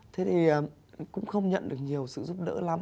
thế thì cũng không nhận được nhiều sự giúp đỡ lắm